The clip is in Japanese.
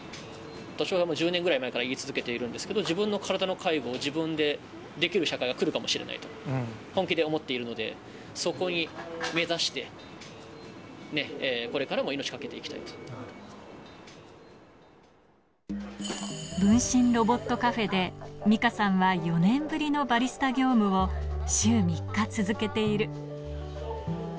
私はもう１０年ぐらい前から、言い続けているんですけど、自分のカラダの介護を自分でできる社会が来るかもしれないと、本気で思っているので、そこに、目指して、分身ロボットカフェで、ミカさんは４年ぶりのバリスタ業務を、週３日続けている。